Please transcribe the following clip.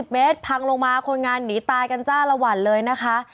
เมตรพังลงมาคนงานหนีตายกันจ้าละวันเลยนะคะ